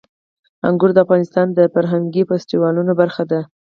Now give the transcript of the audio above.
انګور د افغانستان د فرهنګي فستیوالونو برخه ده.